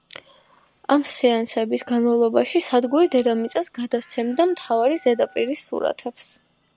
ამ სეანსების განმავლობაში სადგური დედამიწას გადასცემდა მთვარის ზედაპირის სურათებს.